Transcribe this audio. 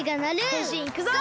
へんしんいくぞ！